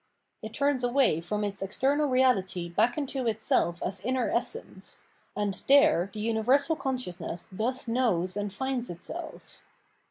It turns away from its external reahty back into itself as inner essence ; and there the universal consciousness thus knows and finds itself.